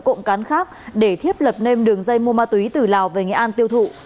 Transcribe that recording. đối tượng cộng cán khác để thiếp lập nêm đường dây mua ma túy từ lào về nghệ an tiêu thụ